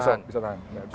pistau itu bisa tahan